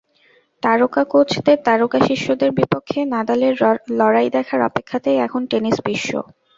তারকা কোচদের তারকা শিষ্যদের বিপক্ষে নাদালের লড়াই দেখার অপেক্ষাতেই এখন টেনিস-বিশ্ব।